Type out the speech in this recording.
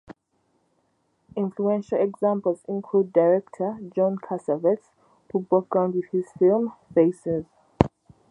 Influential examples include director John Cassavetes, who broke ground with his film "Faces".